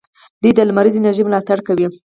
دوی د لمریزې انرژۍ ملاتړ کوي.